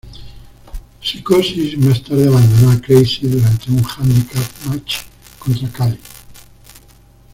Psicosis más tarde abandonó a Crazy durante un handicap match contra Khali.